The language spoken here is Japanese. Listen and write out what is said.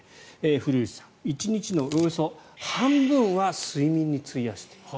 古内さん、１日のおよそ半分は睡眠に費やしている。